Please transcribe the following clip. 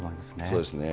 そうですね。